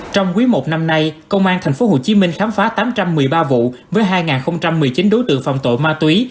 trong quý một năm nay công an tp hcm khám phá tám trăm một mươi ba vụ với hai một mươi chín đối tượng phòng tội ma túy